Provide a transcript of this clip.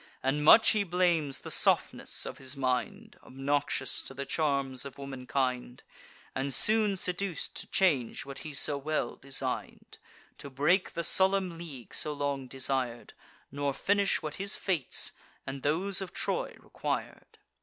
And much he blames the softness of his mind, Obnoxious to the charms of womankind, And soon seduc'd to change what he so well design'd; To break the solemn league so long desir'd, Nor finish what his fates, and those of Troy, requir'd.